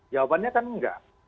jawabannya kan nggak